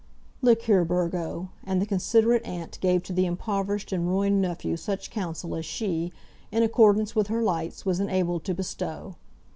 "Look here, Burgo," and the considerate aunt gave to the impoverished and ruined nephew such counsel as she, in accordance with her lights, was enabled to bestow.